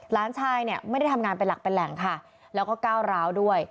หลานชายเนี่ยไม่ได้ทำงานเป็นหลักเป็นแหล่งค่ะแล้วก็ก้าวร้าวด้วย